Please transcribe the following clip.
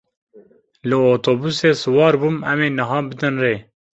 Li otobûsê siwar bûm, em ê niha bidin rê.